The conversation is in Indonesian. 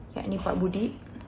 yakni pak budi